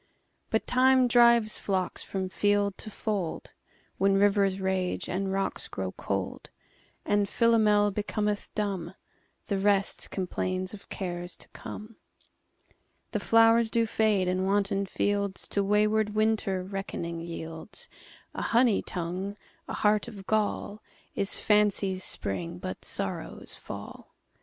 But Time drives flocks from field to fold; When rivers rage and rocks grow cold; And Philomel becometh dumb; The rest complains of cares to come. The flowers do fade, and wanton fieldsTo wayward Winter reckoning yields:A honey tongue, a heart of gall, Is fancy's spring, but sorrow's fall.